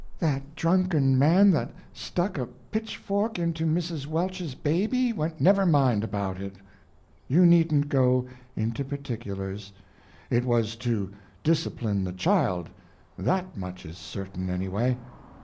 "That drunken man that stuck a pitchfork into Mrs. Welch's baby when " "Never mind about it, you needn't go into particulars; it was to discipline the child that much is certain, anyway."